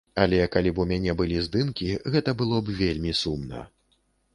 Але калі б у мяне былі здымкі, гэта было б вельмі сумна.